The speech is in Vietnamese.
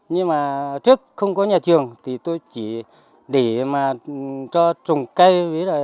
nhưng mà trước không có nhà trường thì tôi chỉ để mà cho trùng cây